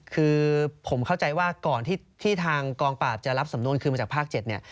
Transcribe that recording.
คือผมเข้าใจว่าก่อนที่ทางกองปราบจะรับสำนวนคืนมาจากภาค๗เนี่ย